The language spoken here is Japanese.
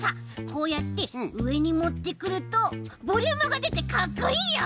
こうやってうえにもってくるとボリュームがでてかっこいいよ！